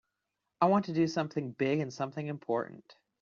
I want to do something big and something important.